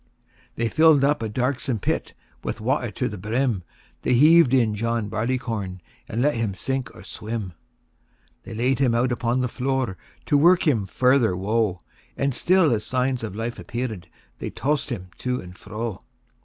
IX. They filled up a darksome pit With water to the brim; They heaved in John Barleycorn, There let him sink or swim. X. They laid him out upon the floor, To work him farther woe; And still, as signs of life appear'd, They toss'd him to and fro.